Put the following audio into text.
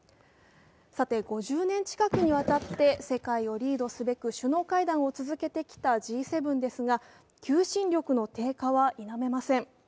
さて、５０年近くにわたって世界をリードすべく首脳会談を続けてきたＧ７ですが求心力の低下は否めません。